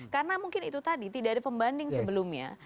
karena mungkin itu tadi tidak ada pembanding sebelumnya